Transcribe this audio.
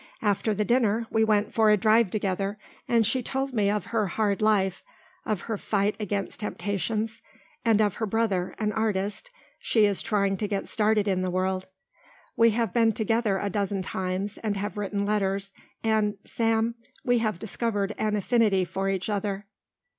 After the dinner we went for a drive together and she told me of her hard life, of her fight against temptations, and of her brother, an artist, she is trying to get started in the world. We have been together a dozen times and have written letters, and, Sam, we have discovered an affinity for each other."